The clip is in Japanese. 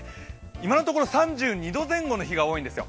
今のところ３２度前後の日が多いんですよ。